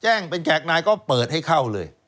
แจ้งเป็นแขกนายก็เปิดให้เข้าเลย